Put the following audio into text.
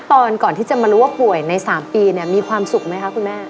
ตอนก่อนที่จะมารู้ว่าป่วยใน๓ปีมีความสุขไหมคะคุณแม่